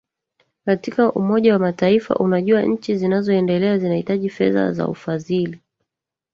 katika Umoja wa Mataifa Unajua nchi zinazoendelea zinahitaji fedha za ufadhili